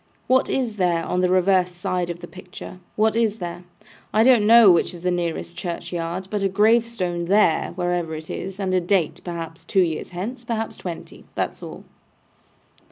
What is there on the reverse side of the picture? What is there? I don't know which is the nearest churchyard, but a gravestone there, wherever it is, and a date, perhaps two years hence, perhaps twenty. That's all.